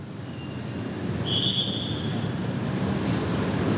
ครับ